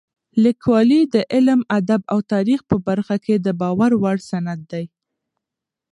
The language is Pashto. لیکوالی د علم، ادب او تاریخ په برخه کې د باور وړ سند دی.